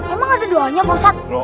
emang ada doanya musad